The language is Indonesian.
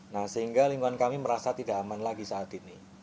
nah sehingga lingkungan kami merasa tidak aman lagi saat ini